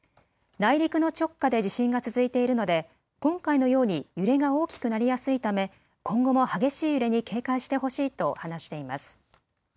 内陸の直下で地震が続いているので今回のように揺れが大きくなりやすいため、今後も激しい揺れに警戒してほしいと話しています。